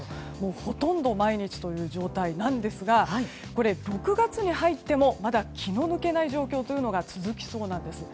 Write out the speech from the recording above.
ほとんど毎日という状態なんですがこれ、６月に入ってもまだ気の抜けない状況が続きそうなんです。